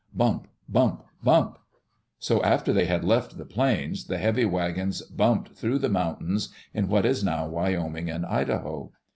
Bump! Bump! Bump! So, after they had left the plains, the heavy wagons bumped through the mountains in what is now Wyoming and Idaho.